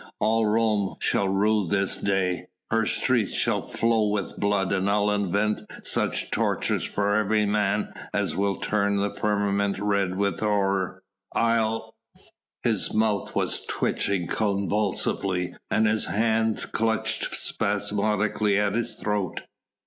All Rome shall rue this day: her streets shall flow with blood and I'll invent such tortures for every man as will turn the firmament red with horror ... I'll...." His mouth was twitching convulsively and his hands clutched spasmodically at his throat.